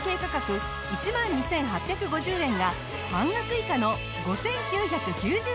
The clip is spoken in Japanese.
１万２８５０円が半額以下の５９９０円。